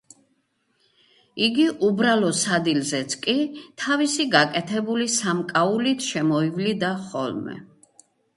იგი უბრალო სადილზეც კი თავისი გაკეთებული სამკაულით შემოივლიდა ხოლმე.